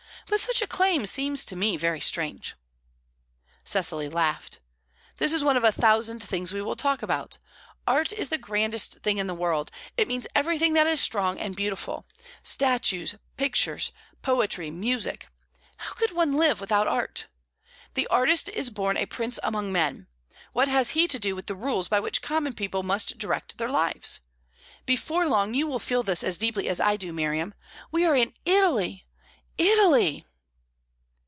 But such a claim seems to me very strange." Cecily laughed. "This is one of a thousand things we will talk about. Art is the grandest thing in the world; it means everything that is strong and beautiful statues, pictures, poetry, music. How could one live without art? The artist is born a prince among men. What has he to do with the rules by which common people must direct their lives? Before long, you will feel this as deeply as I do, Miriam. We are in Italy, Italy!"